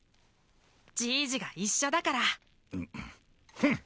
じいじが一緒だからフン！